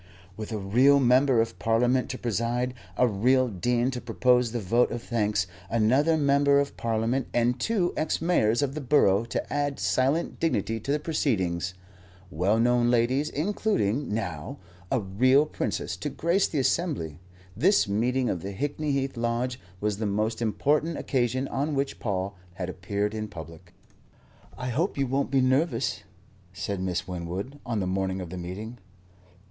With a real Member of Parliament to preside, a real dean to propose the vote of thanks, another Member of Parliament and two ex mayors of the borough to add silent dignity to the proceedings, well known ladies, including, now, a real Princess to grace the assembly, this meeting of the Hickney Heath Lodge was the most important occasion on which Paul had appeared in public. "I hope you won't be nervous," said Miss Winwood, on the morning of the meeting.